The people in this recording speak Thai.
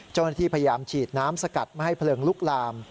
เจ้าหน้าที่พยายามฉีดน้ำสกัดไม่ให้เพลิงลุกลาม